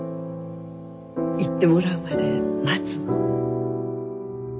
言ってもらうまで待つの。